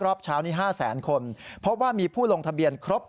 รอบเช้านี้๕แสนคนพบว่ามีผู้ลงทะเบียนครบ